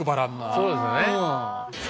そうですよね。